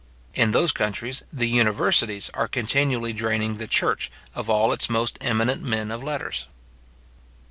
In those countries, the universities are continually draining the church of all its most eminent men of letters.